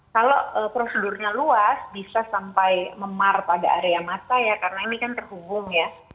kalau prosedurnya luas bisa sampai memar pada area mata ya karena ini kan terhubung ya